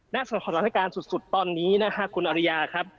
และสถานการณ์สุดตอนนี้นะฮะคุณอริยาครับ